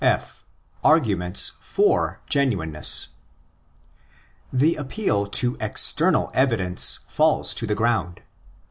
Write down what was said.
F'.—Arguments for Genuineness. The appeal to external evidence falls to the ground.